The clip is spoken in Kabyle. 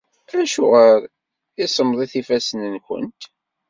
Acuɣer i semmḍit yifassen-nwent?